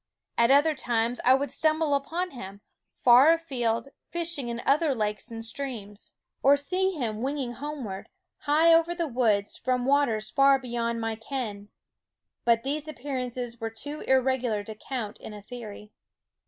At other times I would stumble upon him, far afield, fish ing in other lakes and streams; or see him Quoskh W SCHOOL OF winging homeward, high over the woods, from waters far beyond my ken ; but these appear ances were too irregular to count in a theory.